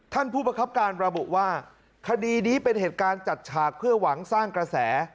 ท่านผู้ประคับการระบุว่าคดีนี้เป็นเหตุการณ์จัดฉากเพื่อหวังสร้างกระแส